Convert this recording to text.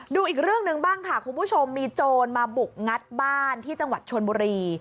ดูอีกเรื่องหนึ่งบ้างค่ะคุณผู้ชมมีโจรมาบุกงัดบ้านที่จังหวัดชนบุรี